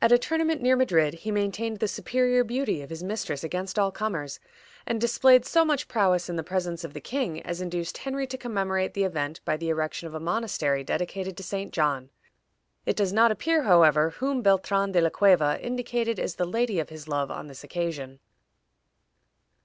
At a tournament near Madrid he maintained the superior beauty of his mistress against all comers, and displayed so much prowess in the presence of the king as induced Henry to commemorate the event by the erection of a monastery dedicated to St. John. It does not appear, however, whom Beltran de la Cueva indicated as the lady of his love on this occasion.